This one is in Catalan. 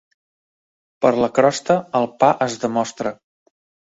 Per la crosta el pa es demostra.